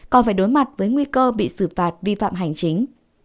còn phải đối mặt với nguy cơ bị xử phạt vi phạm hành chính